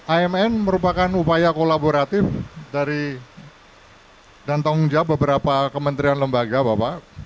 amn merupakan upaya kolaboratif dari dan tanggung jawab beberapa kementerian lembaga bapak